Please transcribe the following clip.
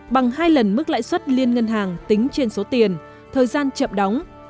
bằng hai lần mức lãi suất liên ngân hàng tính trên số tiền thời gian chậm đóng